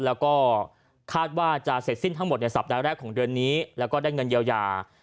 แล้วก็คาดว่าจะเสร็จสิ้นทั้งหมดในสัปดาห์แรกของเดือนนี้แล้วก็ได้เงินเยียวยา